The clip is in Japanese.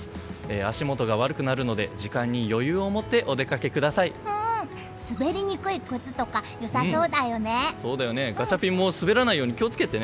足元が悪くなるので時間に余裕を持って滑りにくい靴とか良さそうだよね！